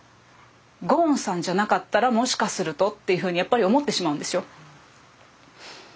ゴーンさんじゃなかったらもしかするとっていうふうにやっぱり思ってしまうんですよ。